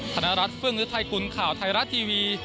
ธนรัฐเฟื่องฤทัยกุลข่าวไทยรัฐทีวี